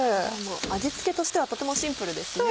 味付けとしてはとてもシンプルですね。